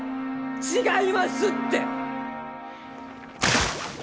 違いますって！